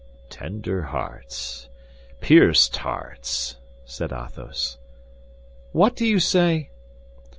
"Tender hearts! Pierced hearts!" said Athos. "What do you say?"